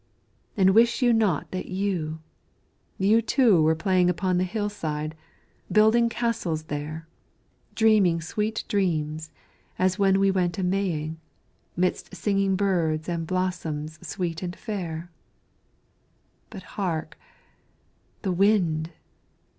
And wish you not that you, you too were playing Upon the hillside, building castles there, Dreaming sweet dreams, as when we went a Maying, Midst singing birds and blossoms sweet and fair? But hark, the wind!